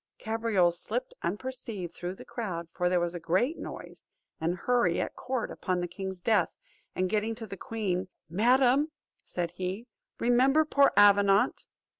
Cabriole slipped unperceived through the crowd, for there was a great noise and hurry at court upon the king's death; and getting to the queen, "Madam," said he, "remember poor Avenant."